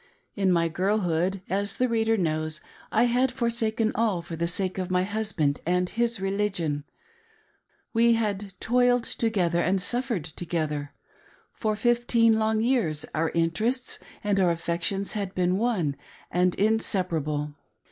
In my girlhood, as the reader knows, I had forsaken all for the sake of my hus band and his religion. We had toiled together and suffered together. Fpr fifteen long years our interests and our affec tions had been one and inseparable.